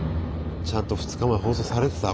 ちゃんと２日前放送されてた？